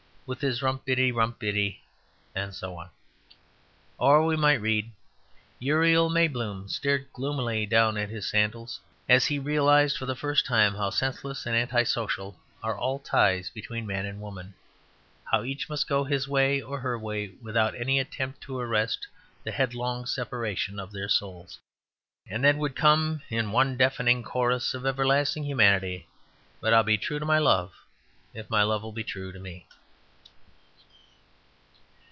With his rumpty iddity, rumpty iddity;" and so on. Or we might read: "Uriel Maybloom stared gloomily down at his sandals, as he realized for the first time how senseless and anti social are all ties between man and woman; how each must go his or her way without any attempt to arrest the head long separation of their souls." And then would come in one deafening chorus of everlasting humanity "But I'll be true to my love, if my love'll be true to me."